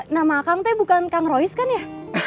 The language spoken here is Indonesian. nama kang tuh bukan kang royis kan ya